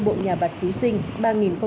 ba mươi bộ nhà bạc cứu sinh